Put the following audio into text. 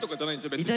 別に。